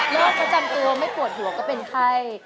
ประจำตัวไม่ปวดหัวก็เป็นไข้